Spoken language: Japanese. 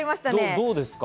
どうですか？